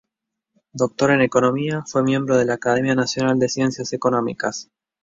Doctor en Economía, fue miembro de la Academia Nacional de Ciencias Económicas.